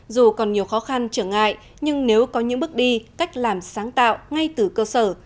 dù còn nhiều khó khăn trở ngại nhưng nếu có những bước đi cách làm sáng tạo ngay từ cơ sở